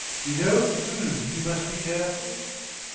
You know of whom you must be careful?"